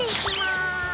はい。